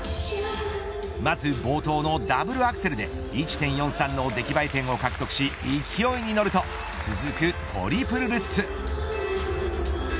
まず冒頭のダブルアクセルで１．４３の出来栄え点を獲得し勢いに乗るとトリプルルッツ。